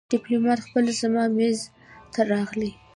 ډيپلومات خپله زما مېز ته راغی.